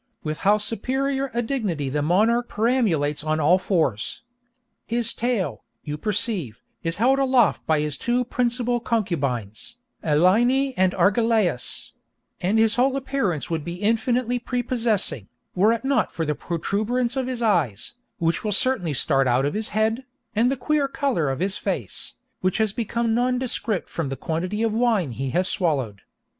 With how superior a dignity the monarch perambulates on all fours! His tail, you perceive, is held aloft by his two principal concubines, Elline and Argelais; and his whole appearance would be infinitely prepossessing, were it not for the protuberance of his eyes, which will certainly start out of his head, and the queer color of his face, which has become nondescript from the quantity of wine he has swallowed.